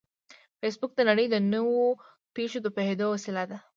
فېسبوک د نړۍ د نوو پېښو د پوهېدو وسیله ده